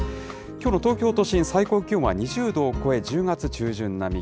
きょうの東京都心、最高気温は２０度を超え、１０月中旬並み。